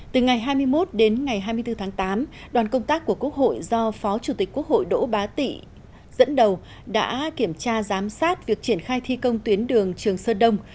từ ngày hai mươi một đến ngày hai mươi bốn tháng tám đoàn công tác của quốc hội do phó chủ tịch quốc hội đỗ bá tị dẫn đầu đã kiểm tra giám sát việc triển khai thi công tuyến đường trường sơn đông